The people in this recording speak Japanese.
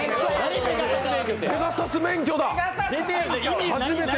ペガサス免許だ！